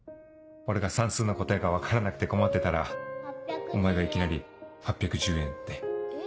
俺が算数の答えが分からなくて困ってたらお前がいきなり「８１０円」って。